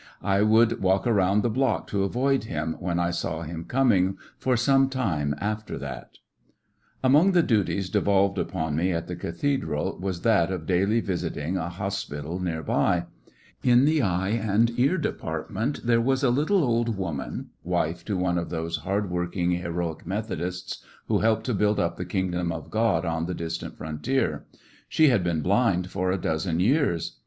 I would walk around the block to avoid him, when I saw him coming, for some time after that. The blind Among the duties devolved upon me at the cathedral was that of daily visiting a hospital 8 '{j/lissionary in tge Great West near by. In the eye and ear department there was a little old woman^ wife to one of those hard working, heroic Methodists who helped to build up the kingdom of God on the distant frontier. She had been blind for a dozen years.